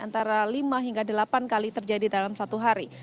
antara lima hingga delapan kali terjadi dalam satu hari